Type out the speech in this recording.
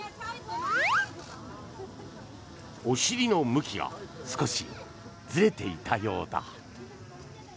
おしりの向きが少しずれていたようだ。